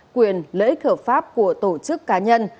quyền lợi ích hợp pháp của tổ chức cá nhân